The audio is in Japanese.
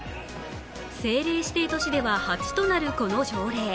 政令指定都市では初となるこの条例。